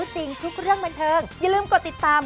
ใช่ครับ